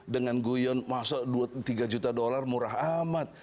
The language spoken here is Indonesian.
dengan guyon masuk tiga juta dolar murah amat